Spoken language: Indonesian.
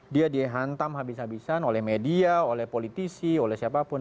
dia dihantam habis habisan oleh media oleh politisi oleh siapapun